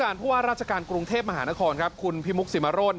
ราชการกรุงเทพฯมหานครคุณพิมุกสิมาโรด